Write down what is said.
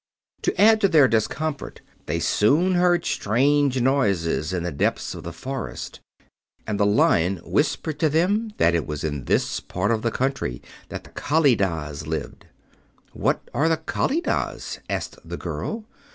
To add to their discomfort, they soon heard strange noises in the depths of the forest, and the Lion whispered to them that it was in this part of the country that the Kalidahs lived. "What are the Kalidahs?" asked the girl.